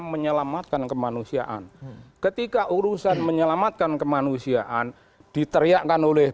menyelamatkan kemanusiaan ketika urusan menyelamatkan kemanusiaan diteriakan oleh